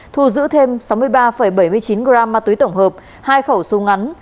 thu giữ thêm sáu mươi ba bảy mươi chín gram ma túy tổng hợp hai khẩu súng ngắn